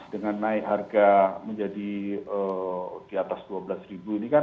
dengan naik harga menjadi di atas dua belas ini kan